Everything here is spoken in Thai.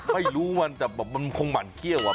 ไม่รู้คุณค่ะมันมันมันเขี้ยว